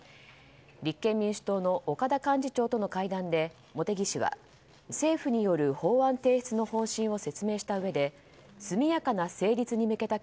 立憲民主党の岡田幹事長との会談で、茂木氏は政府による法案提出の方針を説明したうえで速やかな成立に向けた